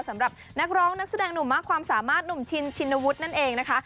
สำหรับนักร้องนักแสดงหนุ่มมากความสามารถหนุ่มชินชินวุฒินั่นเองนะคะ